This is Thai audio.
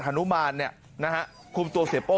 ฮานุมานเนี่ยคุมตัวเสพโป้